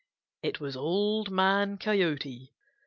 It was Old Man Coyote.